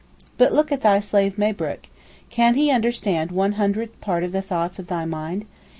But look at thy slave Mabrook, can he understand one hundredth part of the thoughts of thy mind?